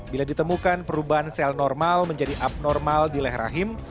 bila ditemukan perubahan sel normal menjadi abnormal di leh rahim